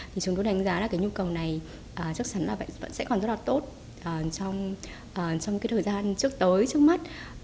thì chúng tôi đánh giá là cái nhu cầu này chắc chắn là vẫn sẽ còn rất là tốt trong cái thời gian trước tới trước mắt